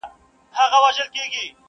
او وينه بهيږي او حالت خرابېږي.